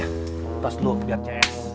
lepas lu biar cs